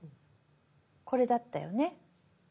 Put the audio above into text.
これだったよね？